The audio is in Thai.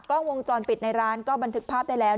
กล้องวงจรปิดในร้านก็บันทึกภาพได้แล้ว